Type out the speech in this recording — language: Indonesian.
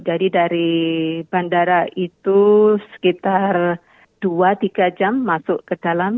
jadi dari bandara itu sekitar dua tiga jam masuk ke dalam